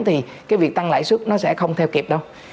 thì cái việc tăng lãi suất nó sẽ không theo kịp đâu